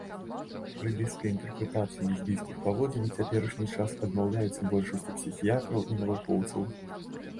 Фрэйдысцкая інтэрпрэтацыя лесбійскіх паводзін у цяперашні час адмаўляецца большасцю псіхіятраў і навукоўцаў.